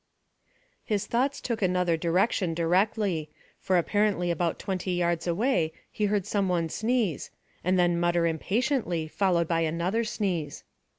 His thoughts took another direction directly, for, apparently about twenty yards away, he heard some one sneeze, and then mutter impatiently, followed by another sneeze.